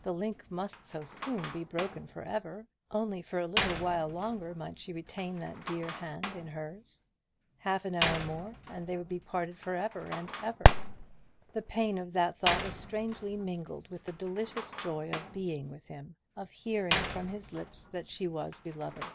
The link must so soon be broken for ever. Only for a little while longer might she retain that dear hand in hers. Half an hour more, and they would be parted for ever and ever. The pain of that thought was strangely mingled with the delicious joy of being with him, of hearing from his lips that she was beloved.